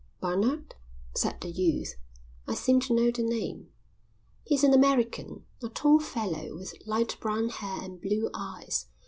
"Barnard?" said the youth. "I seem to know the name." "He's an American. A tall fellow with light brown hair and blue eyes.